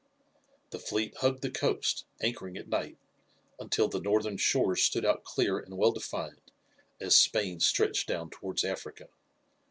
The fleet hugged the coast, anchoring at night, until the northern shores stood out clear and well defined as Spain stretched down towards Africa.